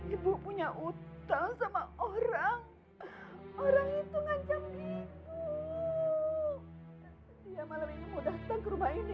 ibu punya utang sama orang